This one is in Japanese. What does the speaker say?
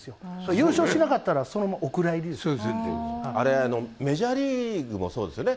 優勝しなかったらそのままお蔵入あれ、メジャーリーグもそうですよね。